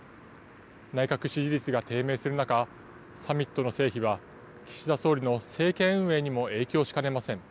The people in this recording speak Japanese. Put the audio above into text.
内閣支持率が低迷する中、サミットの成否は、岸田総理の政権運営にも影響しかねません。